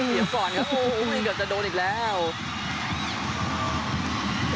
อยากก่อนครับอุ๊ยแต่จะโดนอีกแล้ว